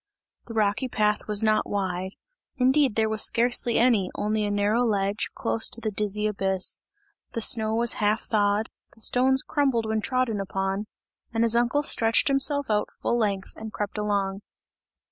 The rocky path was not wide; indeed there was scarcely any, only a narrow ledge, close to the dizzy abyss. The snow was half thawed, the stones crumbled when trodden upon, and his uncle stretched himself out full length and crept along.